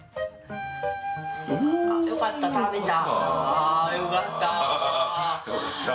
よかった、食べた。